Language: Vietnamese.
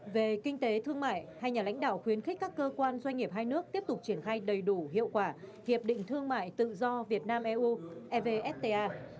về kinh tế thương mại hai nhà lãnh đạo khuyến khích các cơ quan doanh nghiệp hai nước tiếp tục triển khai đầy đủ hiệu quả hiệp định thương mại tự do việt nam eu evfta